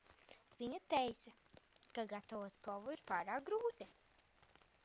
Viņa teica, ka gatavot plovu ir pārāk grūti.